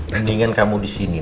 mendingan kamu disini